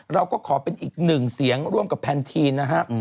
เราก็ขอเป็นอีกหนึ่งเสียงร่วมกับแพนทีนนะครับ